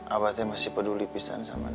abah tuh masih peduli pisan sama neng